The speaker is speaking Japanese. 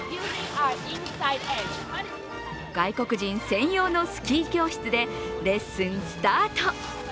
外国人専用のスキー教室で、レッスンスタート。